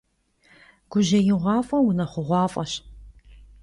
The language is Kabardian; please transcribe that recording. Gujêiğuaf'e — vunexhuğuaf'eş.